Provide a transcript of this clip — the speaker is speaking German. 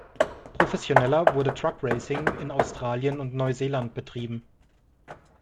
Professioneller wurde Truck Racing in Australien und Neuseeland betrieben.